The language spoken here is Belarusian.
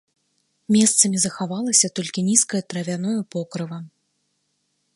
Месцамі захавалася толькі нізкае травяное покрыва.